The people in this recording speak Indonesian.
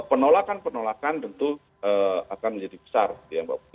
penolakan penolakan tentu akan menjadi besar ya mbak putri